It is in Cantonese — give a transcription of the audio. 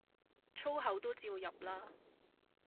粗口都照入啦